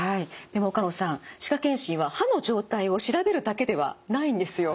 でも岡野さん歯科健診は歯の状態を調べるだけではないんですよ。